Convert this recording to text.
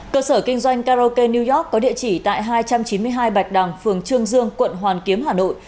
cơ sở kinh doanh karaoke new york có địa chỉ tại hai trăm chín mươi hai bạch đằng phường trương dương quận hoàn kiếm hà nội